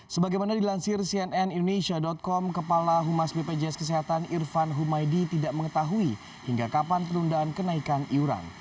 sebagaimana dilansir cnn indonesia com kepala humas bpjs kesehatan irfan humaydi tidak mengetahui hingga kapan penundaan kenaikan iuran